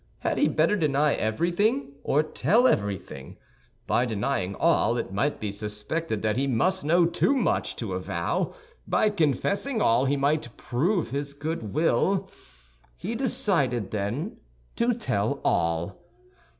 Had he better deny everything or tell everything? By denying all, it might be suspected that he must know too much to avow; by confessing all he might prove his good will. He decided, then, to tell all.